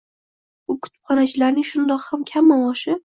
Bu kutubxonachilarning shundoq ham kam maoshi.